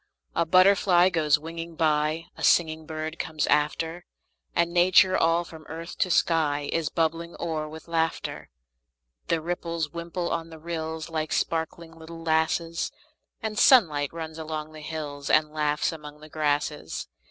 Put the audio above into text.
A butterfly goes winging by; A singing bird comes after; And Nature, all from earth to sky, Is bubbling o'er with laughter. The ripples wimple on the rills, Like sparkling little lasses; The sunlight runs along the hills, And laughs among the grasses.